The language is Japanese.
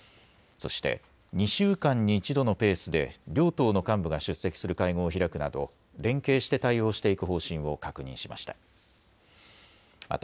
そして２週間に１度のペースで両党の幹部が出席する会合を開くなど連携して対応していく方針を確認しました。